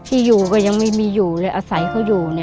ที่อยู่ก็ยังไม่มีอยู่เลยอาศัยเขาอยู่